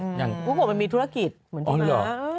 อิ่มปุกปรมันมีธุรกิจเหมือนที่นั้น